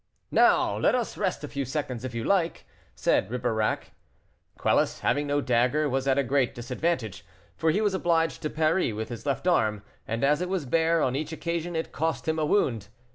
"Now let us rest a few seconds, if you like," said Ribeirac. Quelus, having no dagger, was at a great disadvantage; for he was obliged to parry with his left arm, and, as it was bare, on each occasion it cost him a wound.